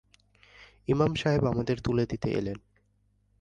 ইমাম সাহেব আমাদের তুলে দিতে এলেন।